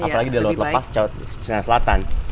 jadi di luar lepas di sinar selatan